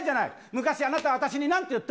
昔、あなたは私になんて言った？